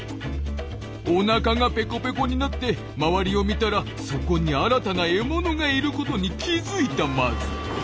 おなかがペコペコになって周りを見たらそこに新たな獲物がいることに気付いたマズ。